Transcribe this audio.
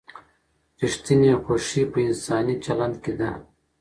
ریښتینې خوښي په انساني چلند کې ده.